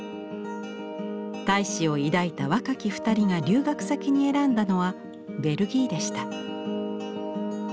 大志を抱いた若き２人が留学先に選んだのはベルギーでした。